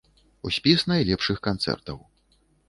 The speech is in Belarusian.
У спіс найлепшых канцэртаў.